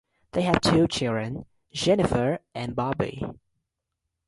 They have two children: Jennifer and Bobby.